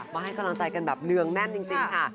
มาให้กำลังใจกันแบบเนืองแน่นจริงค่ะ